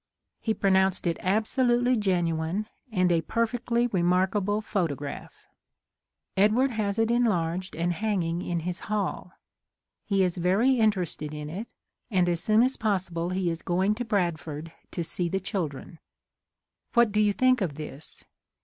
He pronounced it absolutely genuine and a perfectly remarkable photograph. / Edward has it enlarged and hanging in his ' hall. He is very interested in it and as soon as possible he is going to Bradford to see the children. What do you think of this?